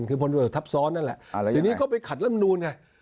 คือผลประโยชน์ทับซ้อนั่นแหละทีนี้ก็ไปขัดรำนูนค่ะ